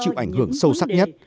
chịu ảnh hưởng sâu sắc nhất